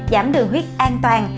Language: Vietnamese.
giảm đường huyết an toàn